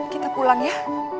kita pulang ya